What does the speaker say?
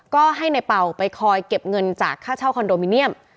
ก็ให้ในเป่าไปคอยเก็บเงินจากค่าเช่าคอนโดมิเนียม